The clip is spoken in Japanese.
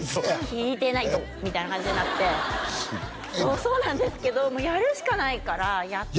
「聞いてないぞ」みたいな感じになってそうなんですけどもうやるしかないからやったん？